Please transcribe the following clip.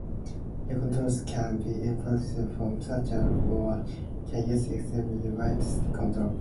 New controls can be implemented from scratch or can use existing Windows controls.